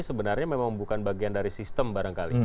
sebenarnya memang bukan bagian dari sistem barangkali